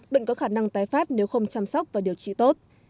bệnh có khả năng tái phát nếu không chăm sóc và điều trị tốt